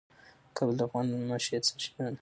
کابل د افغانانو د معیشت سرچینه ده.